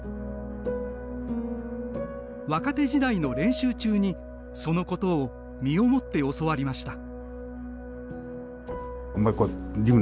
若手時代の練習中に、そのことを身をもって教わりました。